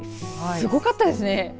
すごかったです